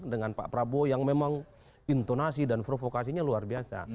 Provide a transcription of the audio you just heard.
dengan pak prabowo yang memang intonasi dan provokasinya luar biasa